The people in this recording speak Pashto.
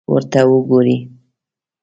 ورته وګورئ!